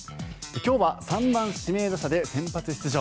今日は３番指名打者で先発出場。